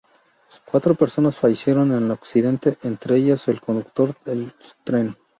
Cuatro personas fallecieron en el accidente, entre ellas el conductor del tren.